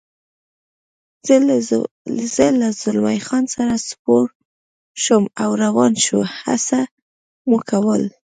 زه له زلمی خان سره سپور شوم او روان شو، هڅه مو کول.